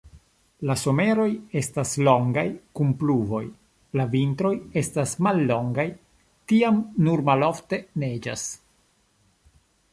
La someroj estas longaj kun pluvoj, la vintroj estas mallongaj, tiam nur malofte neĝas.